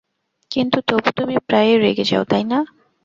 কিন্তু তবু তুমি প্রায়ই রেগে যাও, তাই না?